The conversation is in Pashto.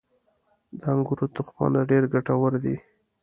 • د انګورو تخمونه ډېر ګټور دي.